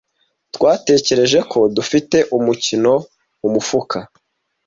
Twatekereje ko dufite umukino mumufuka.